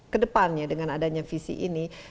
ke depannya dengan adanya visi ini